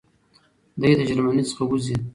دی له جرمني څخه وځي.